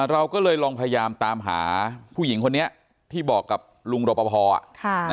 เราก็เลยลองพยายามตามหาผู้หญิงคนนี้ที่บอกกับลุงรปภ